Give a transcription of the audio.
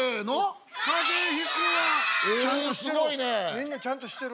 みんなちゃんとしてる。